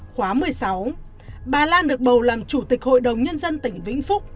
khóa một mươi sáu bà lan được bầu làm chủ tịch hội đồng nhân dân tỉnh vĩnh phúc